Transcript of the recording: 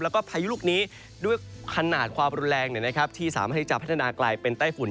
แล้วก็พายุลูกนี้ด้วยขนาดความรุนแรงที่สามารถที่จะพัฒนากลายเป็นไต้ฝุ่น